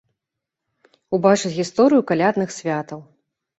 Убачыць гісторыю калядных святаў.